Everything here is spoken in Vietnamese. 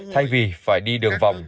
thay vì phải đi đường vòng